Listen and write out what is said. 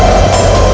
itu udah gila